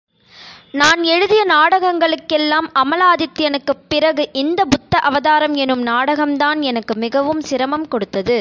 நான் எழுதிய நாடகங்களுக்குளெல்லாம் அமலாதித்யனுக்குப் பிறகு, இந்த புத்த அவதாரம் எனும் நாடகம்தான் எனக்கு மிகவும் சிரமம் கொடுத்தது.